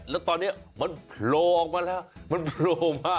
และตอนนี้มันโผล่ออกมาแล้ว